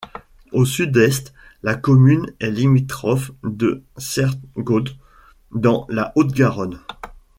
Au sud-est, la commune est limitrophe de Cierp-Gaud dans la Haute-Garonne.